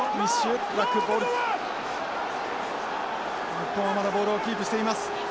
日本はまだボールをキープしています。